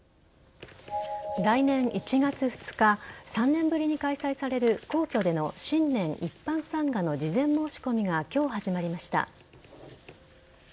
来年１月２日３年ぶりに開催される皇居での新年一般参賀の事前申し込みが今日始まりました。